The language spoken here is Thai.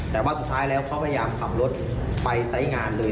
แต่ว่าสุดท้ายแล้วเขาพยายามขับรถไปไซส์งานเลย